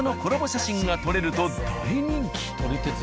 写真が撮れると大人気。